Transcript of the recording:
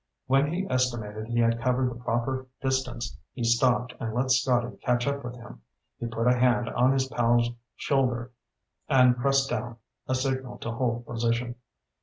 When he estimated he had covered the proper distance, he stopped and let Scotty catch up with him. He put a hand on his pal's shoulder and pressed down, a signal to hold position.